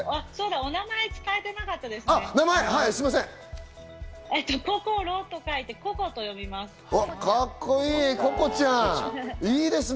名前、伝えてなかったですね。